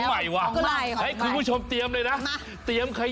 ของใหม่ว่ะคือคุณผู้ชมเตรียมเลยนะ